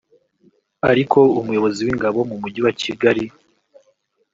ariko umuyobozi w’Ingabo mu Mujyi wa Kigali